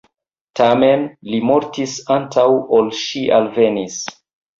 Tamen, li mortis antaŭ ol ŝi alvenis.